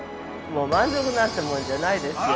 ◆満足なんてもんじゃないですよ。